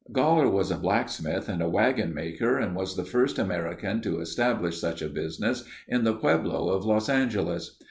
Goller was a blacksmith and wagon maker and was the first American to establish such a business in the pueblo of Los Angeles.